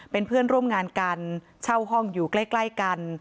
เป็นเพื่อนร่วมงานกันเช่าห้องอยู่ใกล้กัน